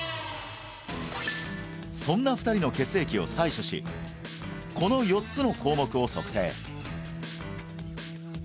そんな２人の血液を採取しこの４つの項目を測定